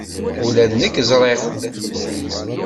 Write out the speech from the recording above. Ula d nekk ẓriɣ-t.